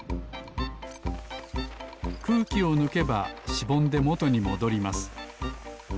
くうきをぬけばしぼんでもとにもどります。